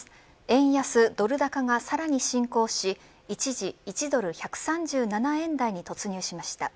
円安ドル高がさらに進行し一時、１ドル１３７円台に突入しました。